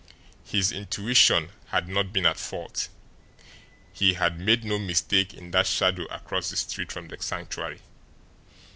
His intuition had not been at fault he had made no mistake in that shadow across the street from the Sanctuary.